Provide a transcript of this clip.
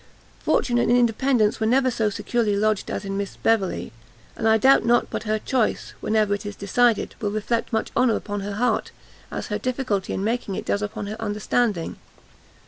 Fortune and independence were never so securely lodged as in Miss Beverley, and I doubt not but her choice, whenever it is decided, will reflect as much honour upon her heart, as her difficulty in making it does upon her understanding."